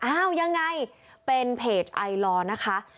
อ้าวยังไงเป็นเพจไอลอร์นะคะ